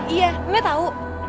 iya nenek tau